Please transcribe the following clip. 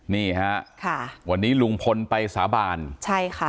นี่ฮะค่ะวันนี้ลุงพลไปสาบานใช่ค่ะ